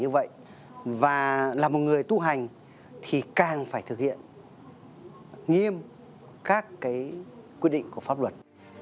vậy và là một người tu hành thì càng phải thực hiện nghiêm các quy định của pháp luật